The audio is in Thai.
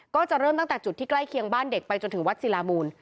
ก็จะเริ่มตั้งแต่จุดที่ใกล้เคียงบ้านเด็กไปจนถึงวัดศิลามูล